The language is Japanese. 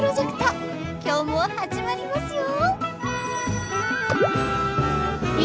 今日も始まりますよ！